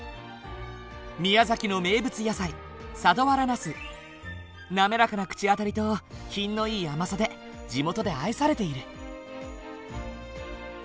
宮崎の名物野菜滑らかな口当たりと品のいい甘さで地元で愛されている。